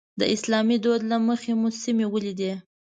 د اسلامي دود له مخې مو سیمې ولیدې.